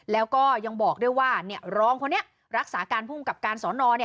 แล้วก็ยังบอกด้วยว่ารองคนนี้รักษาการภูมิกับการสอนอ